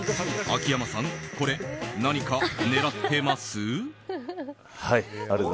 秋山さん、これ何か狙ってます？